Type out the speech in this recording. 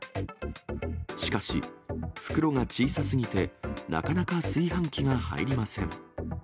しかし、袋が小さすぎてなかなか炊飯器が入りません。